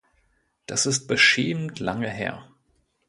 Das ist beschämend lange her.